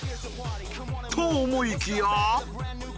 と思いきや！